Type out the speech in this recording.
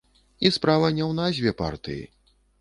І справа не ў назве партыі.